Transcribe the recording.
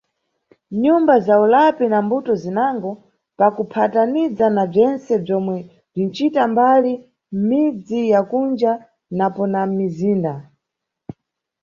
Nʼnyumba za ulapi na mbuto zinango, pakuphataniza na bzentse bzomwe bzinʼcita mbali mʼmidzi ya kunja napo na ya mʼmizinda.